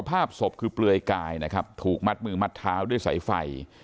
ภาพศพคือเปลือยกายนะครับถูกมัดมือมัดเท้าด้วยสายไฟ